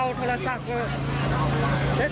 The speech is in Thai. แล้วเอาตัวรอดยังไงจริง